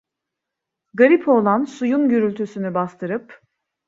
Garip oğlan suyun gürültüsünü bastırıp: